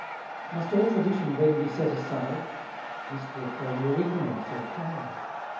Must all tradition then be set aside? This to affirm were ignorance or pride.